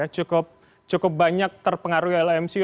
cukup banyak terpengaruhi oleh mcu